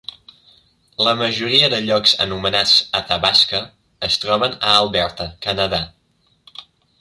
La majoria de llocs anomenats Athabasca es troben a Alberta, Canadà.